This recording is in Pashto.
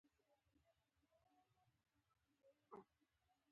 مستقبل فعل هغه فعل دی چې په راتلونکې زمانه کې کار بیانوي.